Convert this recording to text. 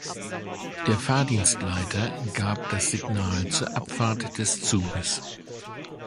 Der Fahrdienstleiter gab das Signal zur Abfahrt des Zuges.